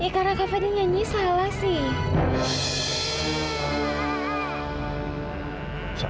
karena kava dia nyanyi salah sih